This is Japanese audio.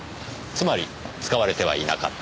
つまり使われてはいなかった。